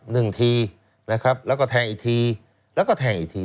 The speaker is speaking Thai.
หนึ่งทีนะครับแล้วก็แทงอีกทีแล้วก็แทงอีกที